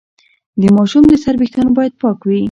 د ماشوم د سر ویښتان باید پاک وي۔